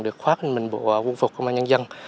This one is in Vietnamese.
được khoác lên mình bộ quân phục công an nhân dân